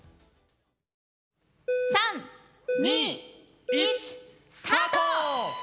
３・２・１スタート！